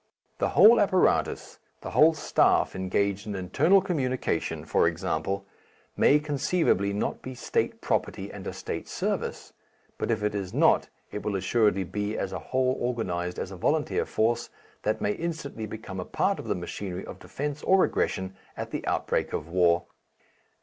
The whole apparatus, the whole staff engaged in internal communication, for example, may conceivably not be State property and a State service, but if it is not it will assuredly be as a whole organized as a volunteer force, that may instantly become a part of the machinery of defence or aggression at the outbreak of war.